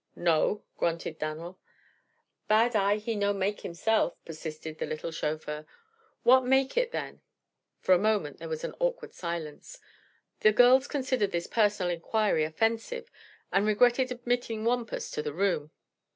"No," grunted Dan'l. "Bad eye he no make himself," persisted the little chauffeur. "What make him, then?" For a moment there was an awkward silence. The girls considered this personal inquiry offensive and regretted admitting Wampus to the room.